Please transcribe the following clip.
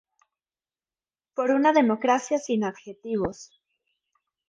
Por una democracia sin adjetivos.